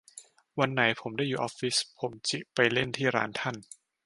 วันไหนผมได้อยู่ออฟฟิศผมจิไปเล่นที่ร้านท่าน